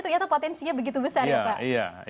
ternyata potensinya begitu besar ya pak